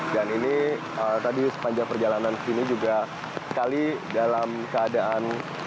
dan ini tadi sepanjang perjalanan sini juga sekali dalam keadaan